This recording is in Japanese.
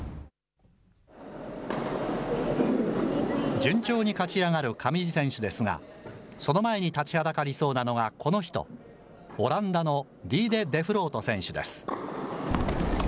順調に勝ち上がる上地選手ですが、その前に立ちはだかりそうなのがこの人、オランダのディーデ・デフロート選手です。